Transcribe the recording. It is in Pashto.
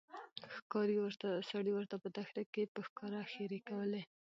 ښکارې سړي ورته په دښته کښي په ښکاره ښيرې کولې